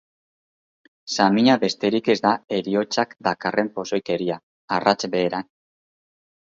Samina besterik ez da heriotzak dakarren pozoikeria, arrats beheran.